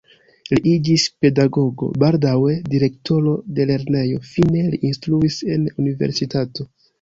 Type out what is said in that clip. Li iĝis pedagogo, baldaŭe direktoro de lernejo, fine li instruis en universitato.